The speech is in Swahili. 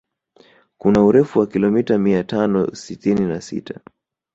Kuna urefu wa kilomita mia tano sitini na sita